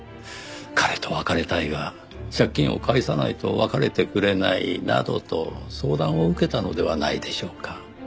彼と別れたいが借金を返さないと別れてくれないなどと相談を受けたのではないでしょうか。